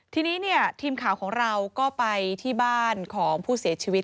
ทีนี้เนี่ยทีมข่าวของเราก็ไปที่บ้านของผู้เสียชีวิต